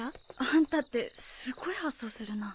あんたってすっごい発想するな。